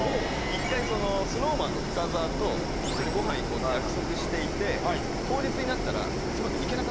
１回そのＳｎｏｗＭａｎの深澤と一緒にご飯行こうって約束していて当日になったら。